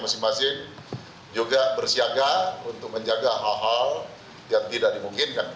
masing masing juga bersiaga untuk menjaga hal hal yang tidak dimungkinkan